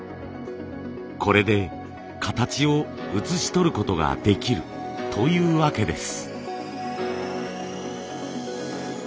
これで形をうつしとることができるというわけです。